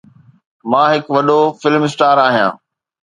مان هڪ وڏو فلم اسٽار آهيان